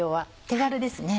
手軽ですね。